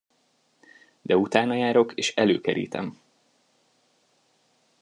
De utánajárok és előkerítem!